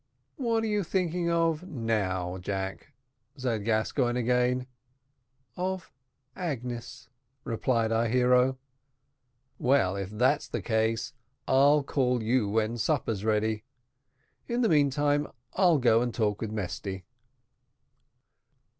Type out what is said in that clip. "What are you thinking of now, Jack?" said Gascoigne again. "Of Agnes," replied our hero. "Well, if that's the case I'll call you when supper's ready. In the meantime I'll go and talk with Mesty."